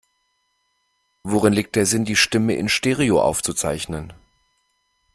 Worin liegt der Sinn, die Stimme in Stereo aufzuzeichnen?